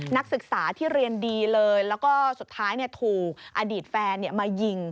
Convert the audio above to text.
นักศึกษาที่เรียนดีเลยแล้วก็สุดท้ายถูกอดีตแฟนมายิง